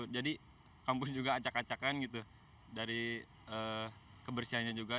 jadi kampus juga acak acakan gitu dari kebersihannya juga